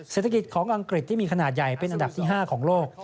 เศรษฐกิจของอังกฤษที่มีขนาดใหญ่เป็นอันดับที่๕ของโลก